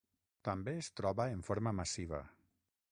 També es troba en forma massiva.